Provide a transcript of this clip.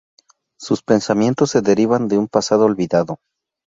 Sus pensamientos se derivan de un pasado olvidado.